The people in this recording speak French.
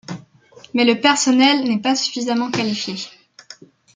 Mais le personnel n'est pas suffisamment qualifié.